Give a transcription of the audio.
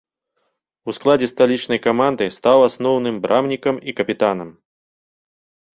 У складзе сталічнай каманды стаў асноўным брамнікам і капітанам.